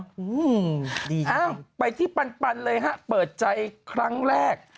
อ้าไปที่ปันเลยห้ะเปิดใจครั้งแรก